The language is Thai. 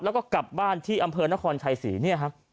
แล้วก็กลับบ้านที่อำเภอนครชัยศรีเนี่ยครับ